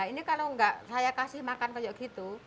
ini kalau nggak saya kasih makan kayak gitu